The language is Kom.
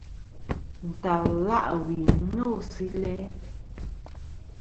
Ntal la' wi no si læ.